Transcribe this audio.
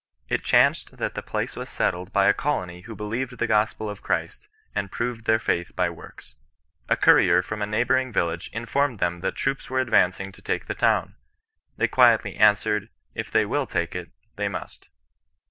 It chanced that the place was settled by a colony who believed the gospel of Christ, and proved their faith by works. A courier from a neighbouring village informed them that troops were advancing to take the town. They quietly answered, * If they will take it, they must.'